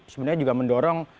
sebenarnya juga mendorong